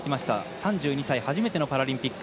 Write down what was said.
３４歳初めてのパラリンピック。